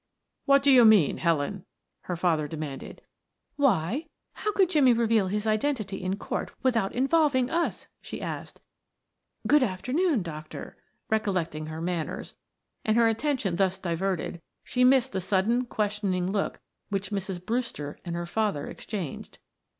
"What do you mean, Helen?" her father demanded. "Why, how could Jimmie reveal his identity in court without involving us?" she asked. "Good afternoon, doctor," recollecting her manners, and her attention thus diverted, she missed the sudden questioning look which Mrs. Brewster and her father exchanged.